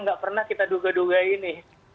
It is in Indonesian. nggak pernah kita duga dugain nih